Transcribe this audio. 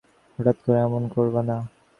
হঠাৎ করে এমন করবা না।